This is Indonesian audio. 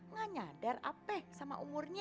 gak nyadar apek sama umurnya